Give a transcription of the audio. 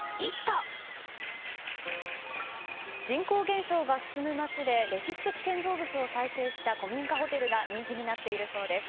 人口減少が進む町で歴史的建造物を再生した古民家ホテルが人気になっているそうです。